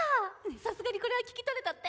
さすがにこれは聞き取れたって。